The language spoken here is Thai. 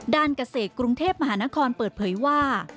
เกษตรกรุงเทพมหานครเปิดเผยว่า